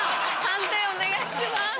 判定お願いします。